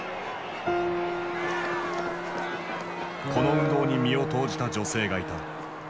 この運動に身を投じた女性がいた。